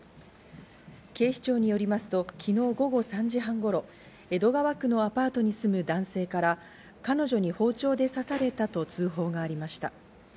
警視庁によりますと昨日午後３時半頃、江戸川区のアパートに住む男性から彼女に包丁で刺されたと通報がありました。